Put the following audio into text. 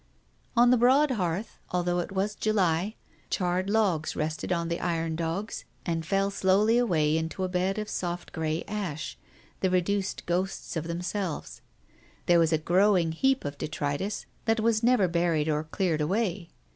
On the broad hearth, although it was July, charred logs rested on the iron dogs and fell slowly away into a bed of soft grey ash, the reduced ghosts of themselves. There was a growing heap of detritus that was never buried or cleared away.